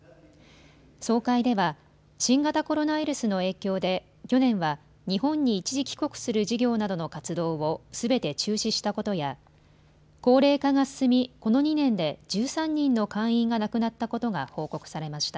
総会では新型コロナウイルスの影響で去年は日本に一時帰国する事業などの活動をすべて中止したことや高齢化が進み、この２年で１３人の会員が亡くなったことが報告されました。